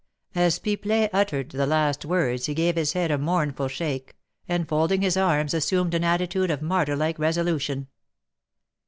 '" As Pipelet uttered the last words he gave his head a mournful shake, and, folding his arms, assumed an attitude of martyrlike resolution.